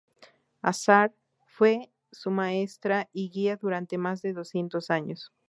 Azar I fue su maestra y guía durante más de doscientos años.